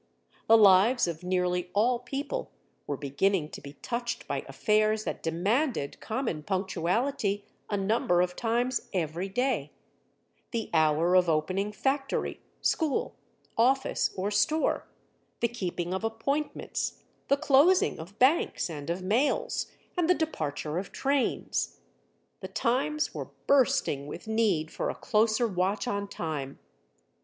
The lives of nearly all people were beginning to be touched by affairs that demanded common punctuality a number of times every day—the hour of opening factory, school, office or store, the keeping of appointments, the closing of banks and of mails, and the departure of trains. The times were bursting with need for a closer watch on time.